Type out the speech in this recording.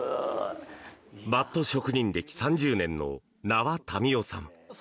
バット職人歴３０年の名和民夫さん。